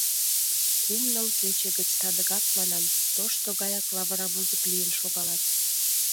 Кум-ныл кече гыч садыгак, манам, тошто гаяк лавыра вузык лийын шогалат.